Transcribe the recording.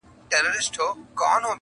له ناکامه د قسمت په انتظار سو.!